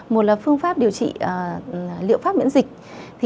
một là phương pháp điều trị liệu pháp miễn dịch